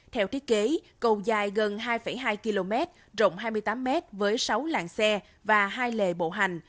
theo thiết kế cầu dài gần hai hai km rộng hai mươi tám m với sáu làng xe và hai lề bộ hành